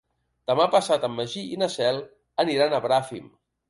Demà passat en Magí i na Cel aniran a Bràfim.